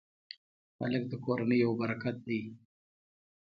هلک د کورنۍ یو برکت دی.